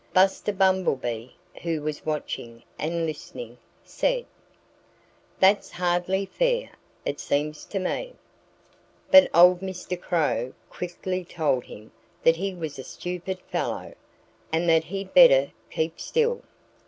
Buster Bumblebee, who was watching and listening, said: "That's hardly fair, it seems to me." But old Mr. Crow quickly told him that he was a stupid fellow and that he'd better keep still.